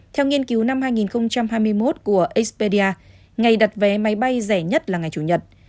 theo nghiên cứu năm hai nghìn hai mươi một của estpedia ngày đặt vé máy bay rẻ nhất là ngày chủ nhật